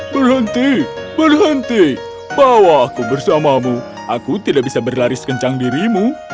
berhenti berhenti bawa aku bersamamu aku tidak bisa berlari sekencang dirimu